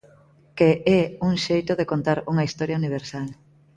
Que é un xeito de contar unha historia universal.